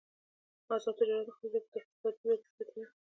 آزاد تجارت مهم دی ځکه چې اقتصادي وده زیاتوي.